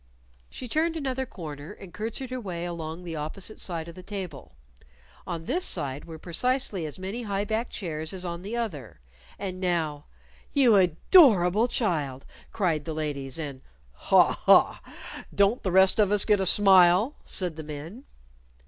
She turned another corner and curtsied her way along the opposite side of the table. On this side were precisely as many high backed chairs as on the other. And now, "You adorable child!" cried the ladies, and "Haw! Haw! Don't the rest of us get a smile?" said the men.